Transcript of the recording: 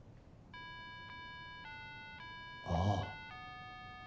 ああ。